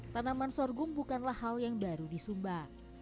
tanaman sorghum bukanlah hal yang baru di sumba